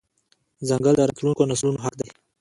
ځنګل د راتلونکو نسلونو حق دی.